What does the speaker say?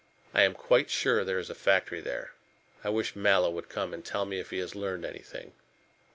I am quite sure there is a factory there. I wish Mallow would come and tell me if he has learned anything."